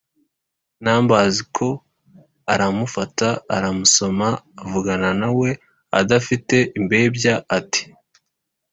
numbersko aramufata aramusoma, avugana na we adafite imbebya ati